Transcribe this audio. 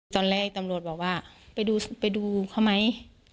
ตอนแรกตำรวจบอกว่าไปดูเขาไหม